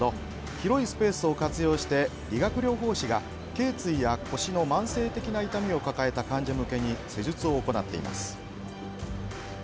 広いスペースを活用して理学療法士が、けい椎や腰の慢性的な痛みを抱えた患者向けに施術を行っています。